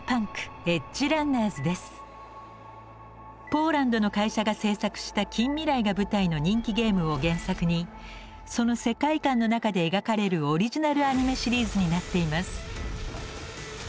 ポーランドの会社が制作した近未来が舞台の人気ゲームを原作にその世界観の中で描かれるオリジナルアニメシリーズになっています。